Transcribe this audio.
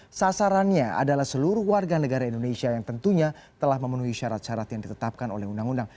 nah sasarannya adalah seluruh warga negara indonesia yang tentunya telah memenuhi syarat syarat yang ditetapkan oleh undang undang